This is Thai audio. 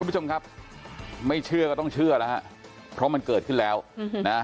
คุณผู้ชมครับไม่เชื่อก็ต้องเชื่อแล้วฮะเพราะมันเกิดขึ้นแล้วนะ